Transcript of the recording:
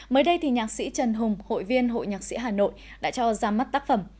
mới đây thì nhạc sĩ trần hùng hội viên hội nhạc sĩ hà nội đã cho ra mắt tác phẩm